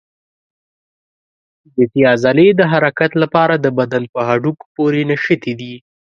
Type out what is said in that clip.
سکلیټي عضلې د حرکت لپاره د بدن په هډوکو پورې نښتي دي.